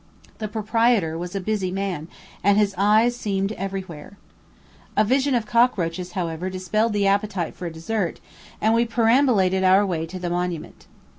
The proprietor was a busy man, and his eyes seemed every where. A vision of cockroaches, however, dispelled the appetite for a dessert, and we perambulated our way to the Monument.